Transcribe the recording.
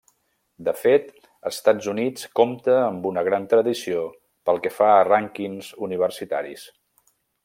De fet, Estats Units compta amb una gran tradició pel que fa a rànquings universitaris.